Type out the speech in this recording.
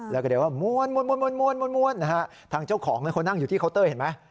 แล้วก็เรียกว่าม้วนนะฮะทางเจ้าของนั้นเขานั่งอยู่ที่เคาน์เตอร์เห็นไหม